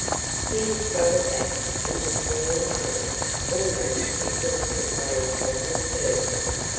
He had struggled back in the swirling current almost exhausted by his helpless burden.